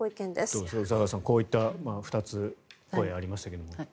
どうですか宇佐川さんこういう２つの声ありましたが。